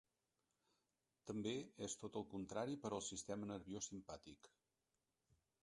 També és tot el contrari per al sistema nerviós simpàtic.